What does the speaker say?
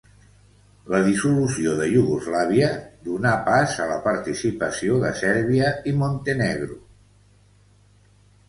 La dissolució de Iugoslàvia donà pas a la participació de Sèrbia i Montenegro.